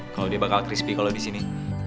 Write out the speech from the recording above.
kalau dia bakal crispy kalau disini